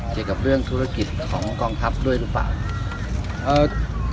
เกี่ยวกับเรื่องธุรกิจของกองทัพด้วยหรือเปล่า